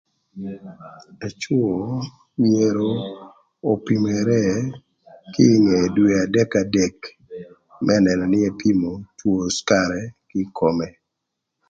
Ëcwö myero opimere kinge dwe adek adek më nënö nï epimo two cükarï kï kome